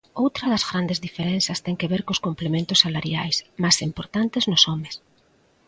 Outra das grandes diferenzas ten que ver cos complementos salariais, máis importantes nos homes.